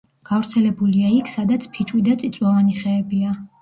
გავრცელებულია იქ, სადაც ფიჭვი და წიწვოვანი ხეებია.